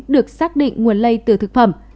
được xác định nguồn lây từ thực phẩm